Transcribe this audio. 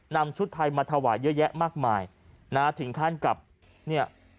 ชุดไทยมาถวายเยอะแยะมากมายนะฮะถึงขั้นกับเนี่ย